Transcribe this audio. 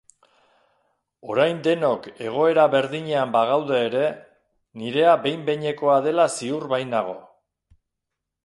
Orain denok egoera berdinean bagaude ere, nirea behin-behinekoa dela ziur bainago.